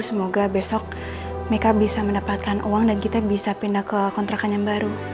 semoga besok mereka bisa mendapatkan uang dan kita bisa pindah ke kontrakan yang baru